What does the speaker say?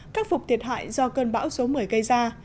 khắc phục thiệt hại do cơn bão số một mươi gây ra